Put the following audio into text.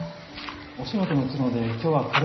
お仕事の都合で今日は来れないそうです。